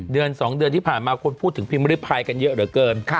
เดือน๒เดือนที่ผ่านมาคนพูดถึงพิมพ์ริพายกันเยอะเหลือเกิน